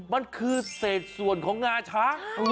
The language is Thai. มันคือเศษส่วนของงาช้าง